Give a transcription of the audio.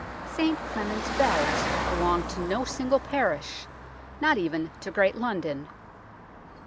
St Clement's bells belong to no single parish, not even to great London.